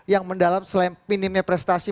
yang mendalam selain minimnya prestasi